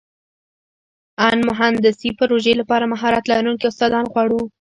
امن مهندسي پروژې لپاره مهارت لرونکي استادان غواړو.